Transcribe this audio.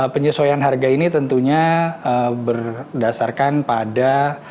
penyesuaian harga ini tentunya berdasarkan pada